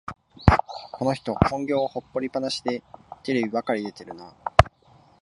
この人、本業を放りっぱなしでテレビばかり出てるな